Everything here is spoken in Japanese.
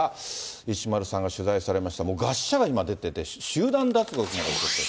石丸さんが取材されました、餓死者が今出てて、集団脱獄まで起こってる。